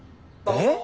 えっ？